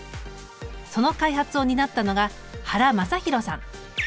その開発を担ったのが原昌宏さん。